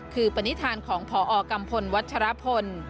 คือประนิษฐานของพอกัมพลวัชฌาพนธ์